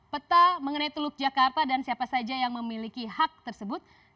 peta mengenai teluk jakarta dan siapa saja yang memiliki hak tersebut